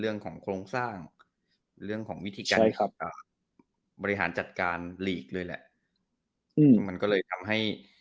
เรื่องของโครงสร้างเรื่องของวิธีการบริหารจัดการลีกเลยแหละ